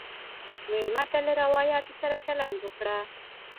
مېلمه ته له روایاتو سره چلند وکړه.